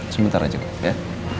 sebentar aja ya